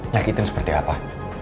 nyakitin seperti apa